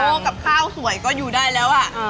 ไข่พะโล้กับข้าวสวยก็อยู่ได้แล้วอะ